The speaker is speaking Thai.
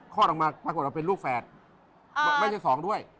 ออกมาปรากฏว่าเป็นลูกแฝดไม่ใช่สองด้วย